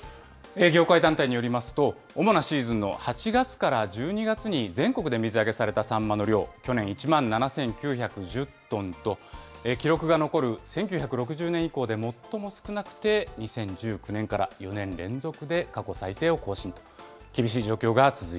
業界団体によりますと、主なシーズンの８月から１２月に全国で水揚げされたサンマの量、去年１万７９１０トンと、記録が残る１９６０年以降で最も少なくて、２０１９年から４年連続で過去最低を更新と。